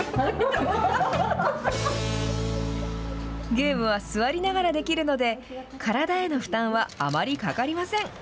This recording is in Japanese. ゲームは座りながらできるので、体への負担はあまりかかりません。